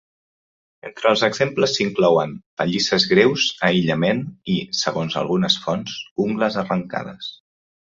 Entre els exemples s"inclouen pallisses greus, aïllament i, segons algunes fonts, ungles arrencades.